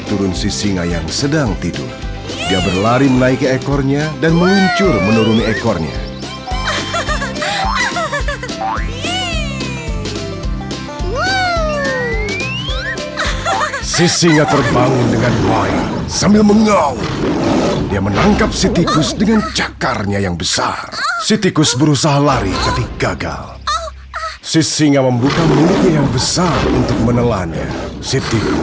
tolong lepaskan saya saya tidak akan pernah melupakannya dan mungkin saya akan membantumu